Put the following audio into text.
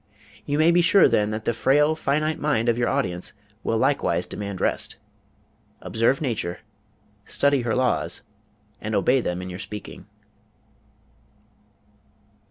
You may be sure, then, that the frail finite mind of your audience will likewise demand rest. Observe nature, study her laws, and obey them in your speaking.